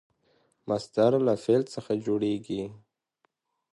مصدر له فعل څخه جوړیږي.